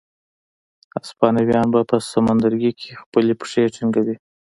هسپانویان به په سمندرګي کې خپلې پښې ټینګوي.